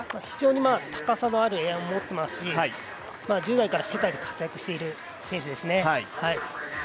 非常に高さのあるエアを持っていますし１０代から世界で活躍している選手です。